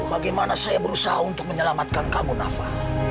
bagaimana saya berusaha untuk menyelamatkan kamu nafa